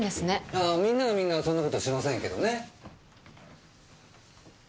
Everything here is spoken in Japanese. ああみんながみんなそんな事しませんけどね。